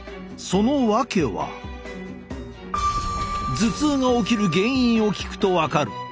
頭痛が起きる原因を聞くと分かる。